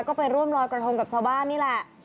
ก็ไปร่วมลอยกระทงกับชาวบ้านนี่แหละ